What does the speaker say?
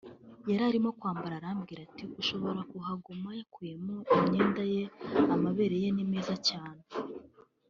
yarimo kwambara arambwira ati ‘ushobora kuhaguma’ yakuyemo imyenda ye amabere ye ni meza cyane